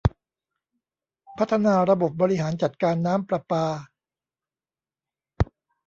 พัฒนาระบบบริหารจัดการน้ำประปา